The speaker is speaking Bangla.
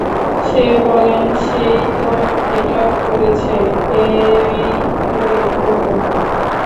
সে বলল, সে-ই তো এটা করেছে, এ-ই তো এগুলোর প্রধান।